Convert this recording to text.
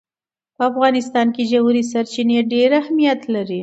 په افغانستان کې ژورې سرچینې ډېر اهمیت لري.